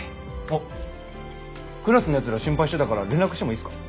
あっクラスのやつら心配してたから連絡してもいいっすか？